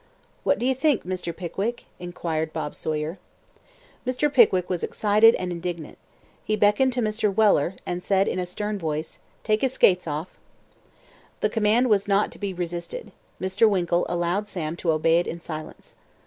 "What do you think, Mr. Pickwick?" inquired Bob Sawyer. Mr. Pickwick was excited and indignant. He beckoned to Mr. Weller, and said in a stern voice: "Take his skates off." The command was not to be resisted. Mr. Winkle allowed Sam to obey it in silence.